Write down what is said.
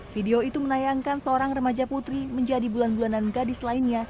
video itu menayangkan seorang remaja putri menjadi bulan bulanan gadis lainnya